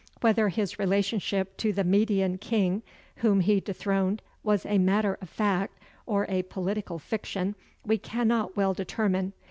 Whether his relationship to the Median king whom he dethroned was a matter of fact, or a politic fiction, we cannot well determine.